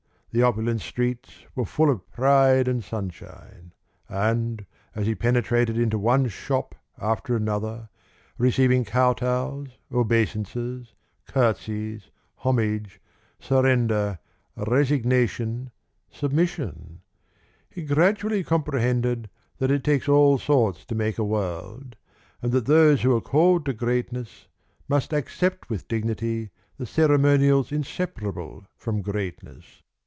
The opulent streets were full of pride and sunshine. And as he penetrated into one shop after another, receiving kowtows, obeisances, curtsies, homage, surrender, resignation, submission, he gradually comprehended that it takes all sorts to make a world, and that those who are called to greatness must accept with dignity the ceremonials inseparable from greatness.